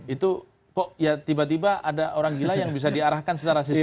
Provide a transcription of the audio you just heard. itu kok ya tiba tiba ada orang gila yang bisa diarahkan secara sistema